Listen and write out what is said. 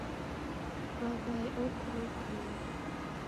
W'aw'aye okulwa ukilogha